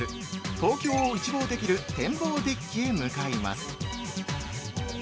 東京を一望できる天望デッキへ向かいます。